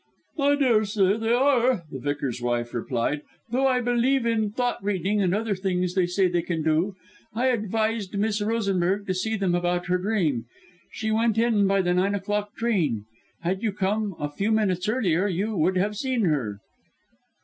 "I dare say they are," the Vicar's wife replied, "though I believe in thought reading and other things they say they can do. I advised Miss Rosenberg to see them about her dream. She went in by the nine o'clock train. Had you come a few minutes earlier you would have seen her."